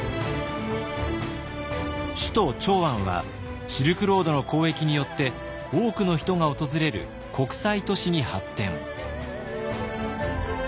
首都長安はシルクロードの交易によって多くの人が訪れる国際都市に発展。